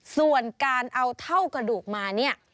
ส่วนการเอาเท่ากระดูกมาเนี่ย